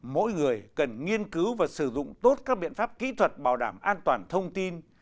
mỗi người cần nghiên cứu và sử dụng tốt các biện pháp kỹ thuật bảo đảm an toàn thông tin